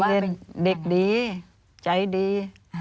เป็นเด็กดีใจดี